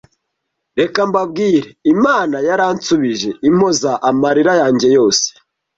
Reka mbabwire Imana yaransubije impoza amarira yanjye yose